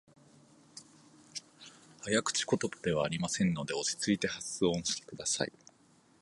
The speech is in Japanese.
早口言葉ではありませんので、落ち着いて発音してください。